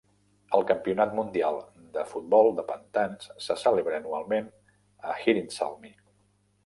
El campionat mundial de futbol de pantans se celebra anualment a Hyrynsalmi.